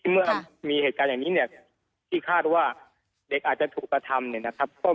เมื่อมีเหตุการณ์อย่างนี้เนี่ยที่คาดว่าเด็กอาจจะถูกกระทำเนี่ยนะครับ